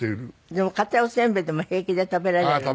でも硬いおせんべいでも平気で食べられるんだって？